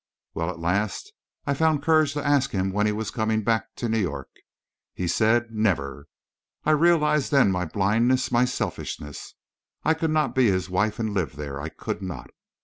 Well, at last I found courage to ask him when he was coming back to New York. He said 'never!'... I realized then my blindness, my selfishness. I could not be his wife and live there. I could not.